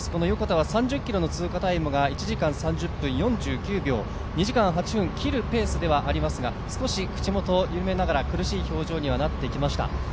横田は３０ｋｍの通過タイムが１時間３０分４９秒２時間８分を切るペースではありますが、少し口元を緩めながら苦しい表情にはなってきました。